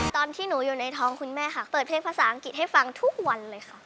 ตอนที่หนูอยู่ในท้องคุณแม่ค่ะเปิดเพลงภาษาอังกฤษให้ฟังทุกวันเลยค่ะ